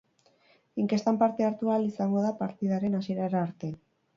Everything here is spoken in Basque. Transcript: Inkestan parte hartu ahal izango da partidaren hasierara arte.